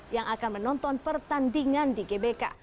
yang akan menonton pertandingan di gbk